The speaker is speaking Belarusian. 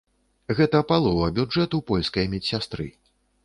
Гэта палова бюджэту польскай медсястры.